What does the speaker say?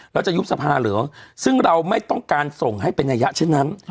แล้วจะยุบสภาเหรอซึ่งเราไม่ต้องการส่งให้เป็นนัยยะเช่นนั้น